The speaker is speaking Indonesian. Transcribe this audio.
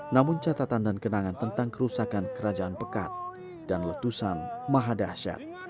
namun catatan dan kenangan tentang kerusakan kerajaan pekat dan letusan maha dahsyat